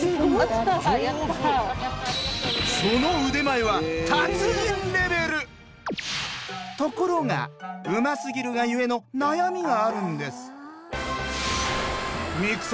その腕前はところがうますぎるがゆえの悩みがあるんです。